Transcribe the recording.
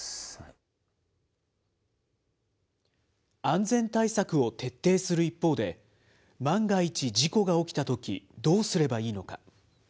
安全対策を徹底する一方で、万が一、事故が起きたとき、どうすればいいのか。